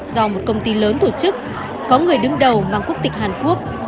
do một công ty lớn tổ chức có người đứng đầu mang quốc tịch hàn quốc